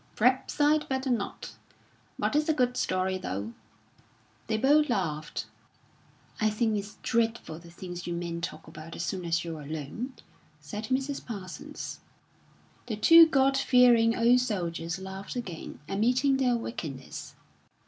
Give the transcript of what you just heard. "P'r'aps I'd better not. But it's a good story, though." They both laughed. "I think it's dreadful the things you men talk about as soon as you're alone," said Mrs. Parsons. The two God fearing old soldiers laughed again, admitting their wickedness.